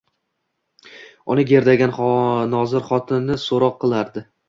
Uni gerdaygan nozir xotini soʻroq qilardi.